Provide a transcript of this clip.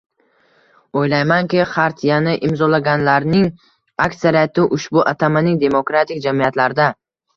O‘ylaymanki, Xartiyani imzolaganlarning aksariyati ushbu atamaning demokratik jamiyatlarda